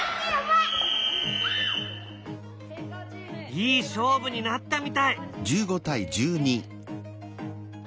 いい勝負になったみたい！